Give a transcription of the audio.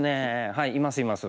はいいますいます。